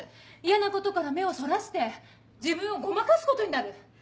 嫌なことから目をそらして自分をごまかすことになる。